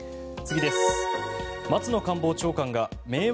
次です。